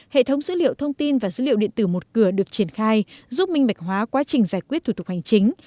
hệ thống dữ liệu thông tin và dữ liệu điện tử một cửa được triển khai giúp minh bạch hóa quá trình giải quyết thủ tục hành chính